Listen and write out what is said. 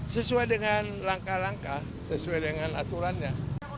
sesuai dengan langkah langkah sesuai dengan aturannya